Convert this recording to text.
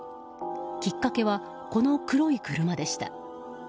きっかけは、この黒い車でした。